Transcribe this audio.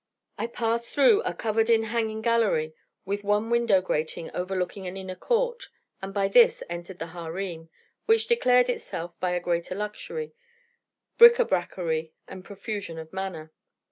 I passed through a covered in hanging gallery, with one window grating overlooking an inner court, and by this entered the harem, which declared itself by a greater luxury, bric à bracerie, and profusion of manner.